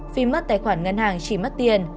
vì mất tài khoản ngân hàng chỉ mất tiền